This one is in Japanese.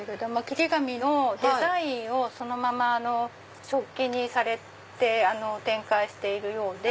切り紙のデザインをそのまま食器にされて展開しているようで。